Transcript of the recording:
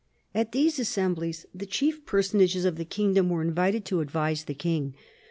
At these assemblies the chief personages of the kingdom were invited to advise the King.